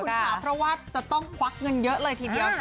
คุณขาพระวาทจะต้องพวักเงินเยอะเลยทีเดียวนะฮะ